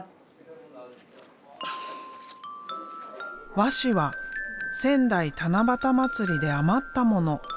和紙は仙台七夕まつりで余ったもの。